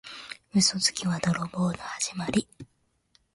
嘘つきは泥棒のはじまり。